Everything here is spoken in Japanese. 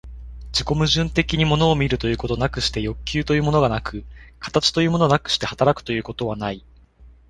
自己矛盾的に物を見るということなくして欲求というものがなく、形というものなくして働くということはない。